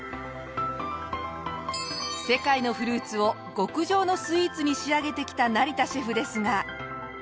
世界のフルーツを極上のスイーツに仕上げてきた成田シェフですが。